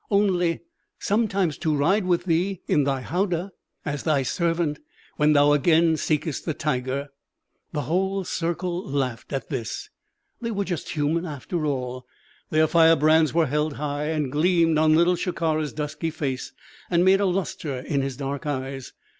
"Only sometimes to ride with thee, in thy howdah, as thy servant, when thou again seekest the tiger." The whole circle laughed at this. They were just human, after all. Their firebrands were held high, and gleamed on Little Shikara's dusky face, and made a lustre in his dark eyes.